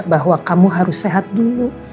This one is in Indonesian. bahwa kamu harus sehat dulu